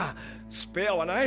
スペアはない。